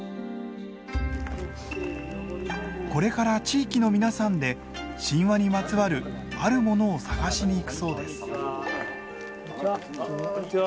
これから地域の皆さんで神話にまつわるあるものを探しに行くそうです。